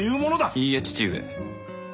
いいえ父上。